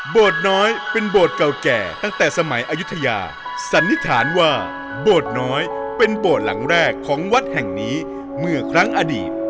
น้อยเป็นโบสถ์เก่าแก่ตั้งแต่สมัยอายุทยาสันนิษฐานว่าโบสถ์น้อยเป็นโบสถ์หลังแรกของวัดแห่งนี้เมื่อครั้งอดีต